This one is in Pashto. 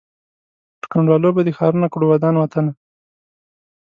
پر کنډوالو به دي ښارونه کړو ودان وطنه